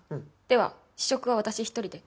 では試食は私一人で。